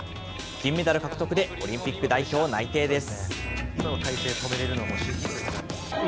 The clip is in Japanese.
金メダル獲得でオリンピック代表内定です。